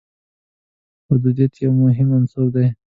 بدویت یو مهم عنصر دی.